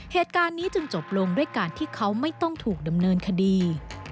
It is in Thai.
เหตุการณ์นี้จึงจบลงด้วยการที่เขาไม่ต้องถูกดำเนินคดี